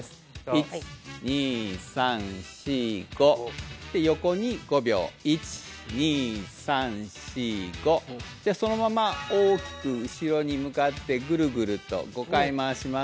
１２３４５横に５秒１２３４５でそのまま大きく後ろに向かってぐるぐると５回回します